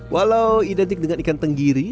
walau identik dengan ikan tenggiri